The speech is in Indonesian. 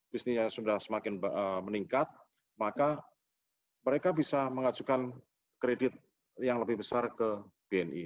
bisnisnya sudah semakin meningkat maka mereka bisa mengajukan kredit yang lebih besar ke bni